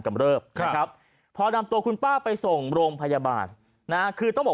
เริบนะครับพอนำตัวคุณป้าไปส่งโรงพยาบาลนะคือต้องบอก